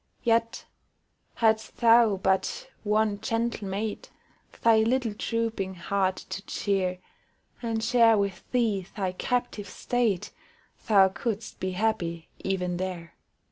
Yet, hadst thou but one gentle mate Thy little drooping heart to cheer, And share with thee thy captive state, Thou couldst be happy even there.